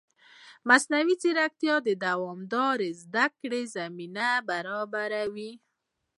مصنوعي ځیرکتیا د دوامدارې زده کړې زمینه برابروي.